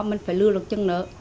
mình phải lừa được chân nợ